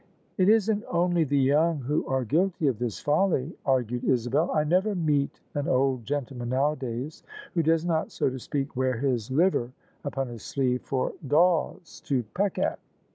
" It isn't only the young who are guilty of this folly," argued Isabel :" I never meet an old gentleman nowadays who does not, so to speak, wear his liver upon his sleeve for daws to peck at."